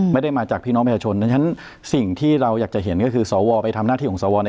ไม่ได้มาจากพี่น้องประชาชน